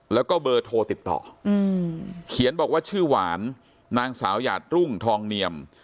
แล้วก็เบอร์โทรติดต่อเขียนบอกว่าชื่อหวานนางสาวหยาดรุ่งทองเนียม